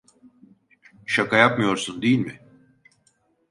Şaka yapmıyorsun, değil mi?